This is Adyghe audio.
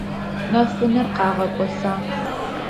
Нэфынэр къагъэкIосагъ.